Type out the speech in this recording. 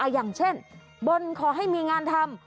อย่างเช่นบนขอให้มีงานทำ